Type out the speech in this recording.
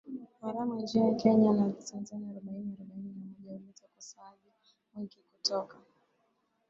haramu nchini Kenya na Tanzania arobaini arobaini na moja na huleta ukosoaji mwingi kutoka